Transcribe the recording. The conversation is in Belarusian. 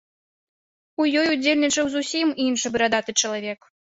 У ёй удзельнічаў зусім іншы барадаты чалавек.